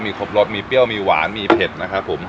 ครบรสมีเปรี้ยวมีหวานมีเผ็ดนะครับผม